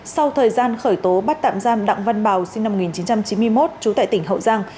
sau thời gian khởi tố bắt tạm giam đặng văn bào sinh năm một nghìn chín trăm chín mươi một trú tại tỉnh hậu giang